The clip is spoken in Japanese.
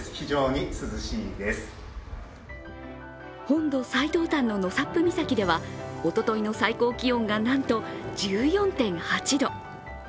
本土最東端の納沙布岬ではおとといの最高気温がなんと１４．８度。